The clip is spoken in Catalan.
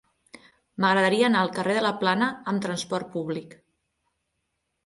M'agradaria anar al carrer de la Plana amb trasport públic.